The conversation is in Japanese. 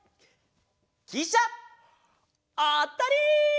きしゃ！あったり！